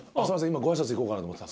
今ご挨拶行こうかなと。